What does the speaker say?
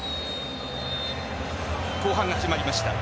後半が始まりました。